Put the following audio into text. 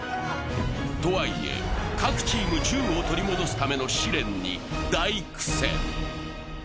とはいえ、各チーム銃を取り戻すための試練に大苦戦。